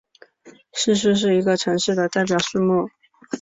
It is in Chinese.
市树是一个城市的代表树木。